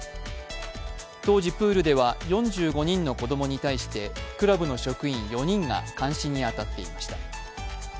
当時プールでは４５人の子供に対してクラブの職員４人が監視に当たっていました。